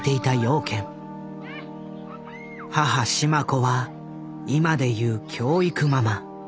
母・志満子は今でいう教育ママ。